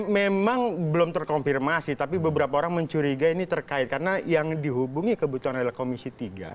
memang belum terkonfirmasi tapi beberapa orang mencuriga ini terkait karena yang dihubungi kebutuhan adalah komisi tiga